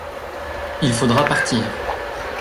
Il faudra partir.